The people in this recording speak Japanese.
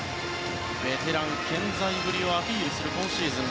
ベテラン健在ぶりをアピールする今シーズン。